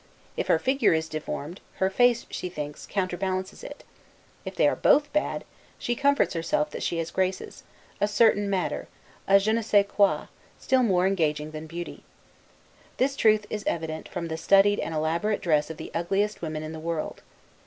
If her figure is deformed, her face, she thinks, counterbalances it. If they are both bad, she comforts herself that she has graces; a certain manner; a 'je ne sais quoi,' still more engaging than beauty. This truth is evident, from the studied and elaborate dress of the ugliest women in the world.